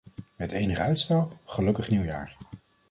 Met enig uitstel, gelukkig nieuwjaar.